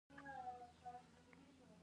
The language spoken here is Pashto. سړی يې هم په ژوند کښې له ژونده محروم کړی وي